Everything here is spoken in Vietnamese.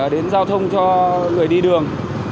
đến giao thông cho người đi đường